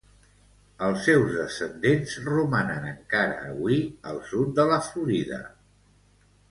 Els seus descendents romanen encara avui al sud de la Florida.